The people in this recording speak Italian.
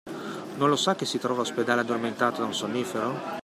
Non lo sa che si trova all'ospedale, addormentata da un sonnifero?